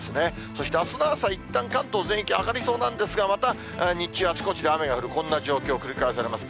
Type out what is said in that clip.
そしてあすの朝いったん関東全域、上がりそうなんですが、また日中、あちこちで雨が降る、そんな状況が繰り返されます。